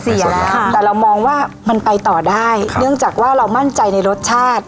แต่เรามองว่ามันไปต่อได้เนื่องจากว่าเรามั่นใจในรสชาติ